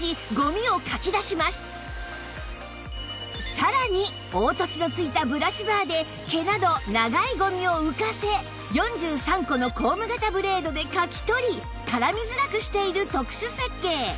さらに凹凸のついたブラシバーで毛など長いゴミを浮かせ４３個のコーム型ブレードでかき取り絡みづらくしている特殊設計